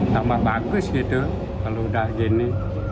tambah bagus gitu kalau udah gini